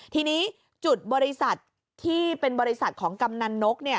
ทีนี้จุดบริษัทที่เป็นบริษัทของกำนันนก